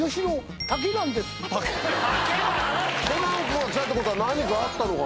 ・たけナン⁉・コナン君が来たってことは何かあったのかな？